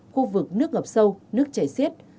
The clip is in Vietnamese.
khu vực nước ngập sâu nước chảy xiết